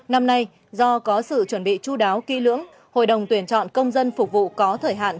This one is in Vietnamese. năm nay do có sự chuẩn bị chú đáo kỹ lưỡng hội đồng tuyển chọn công dân phục vụ có thời hạn